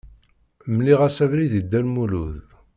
Mliɣ-as abrid i Dda Lmulud.